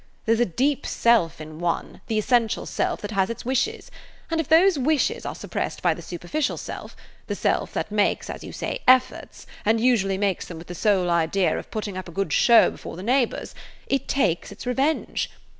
There 's a deep self in one, the essential self, that has its wishes. And if those wishes are suppressed by the superficial self,–the self that makes, as you say, efforts, and usually makes them with the sole idea of putting up a good show before the neighbors,–it takes its revenge.